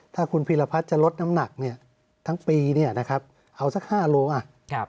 ถ้าคุณพีรพัฒน์จะลดน้ำหนักทั้งปีนะครับเอาสัก๕กิโลกรัม